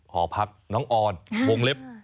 หอพักน้องออนวงเล็บ